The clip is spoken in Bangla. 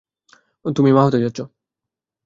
তুমি মা হতে যাচ্ছো।